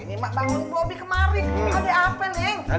ini emak bangun bobby kemari